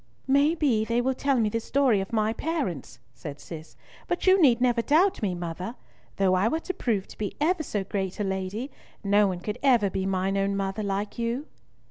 "May be they will tell me the story of my parents," said Cis; "but you need never doubt me, mother. Though I were to prove to be ever so great a lady, no one could ever be mine own mother like you!"